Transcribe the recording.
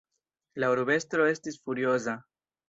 La urbestro estis furioza.